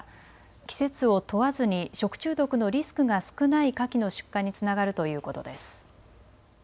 季節を問わずに食中毒のリスクが少ないかきの出荷につながるということです。